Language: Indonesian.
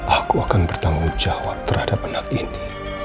aku akan bertanggung jawab terhadap anak ini